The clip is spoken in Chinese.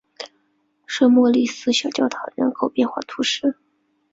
圣莫里斯小教堂人口变化图示